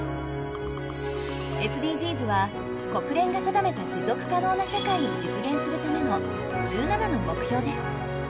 ＳＤＧｓは国連が定めた持続可能な社会を実現するための１７の目標です。